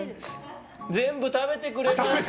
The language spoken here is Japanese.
全部食べてくれました。